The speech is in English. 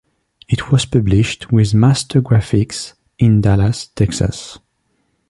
It was published with Master Graphics in Dallas, Texas.